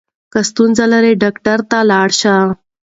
که ستونزه لرې ډاکټر ته ولاړ شه.